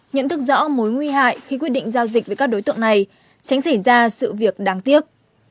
nhận thức rõ mối nguy hại khi quyết định giao dịch với các đối tượng này tránh xảy ra sự việc đáng tiếc